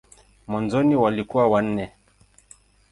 Mwanzoni walikuwa wanne.